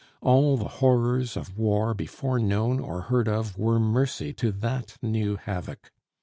All the horrors of war before known or heard of were mercy to that new havoc.